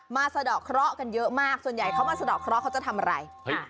สะดอกเคราะห์กันเยอะมากส่วนใหญ่เขามาสะดอกเคราะห์เขาจะทำอะไร